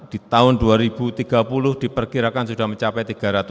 di tahun dua ribu tiga puluh diperkirakan sudah mencapai tiga ratus tiga puluh